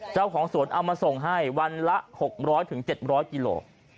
เจ้าของสวนเอามาส่งให้วันละ๖๐๐๗๐๐กิโล